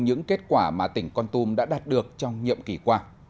những kết quả mà tỉnh con tum đã đạt được trong nhiệm kỳ qua